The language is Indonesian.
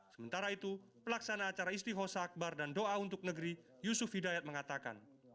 sementara itu pelaksana acara istihosa akbar dan doa untuk negeri yusuf hidayat mengatakan